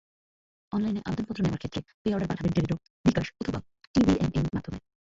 অনলাইনে আবেদনপত্র নেওয়ার ক্ষেত্রে পে-অর্ডার পাঠাবেন টেলিটক, বিকাশ অথবা টিবিএমএম মাধ্যমে।